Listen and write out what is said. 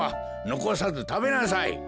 のこさずたべなさい。